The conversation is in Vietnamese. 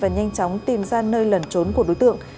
và nhanh chóng tìm ra nơi lẩn trốn của đối tượng